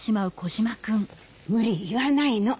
無理言わないの。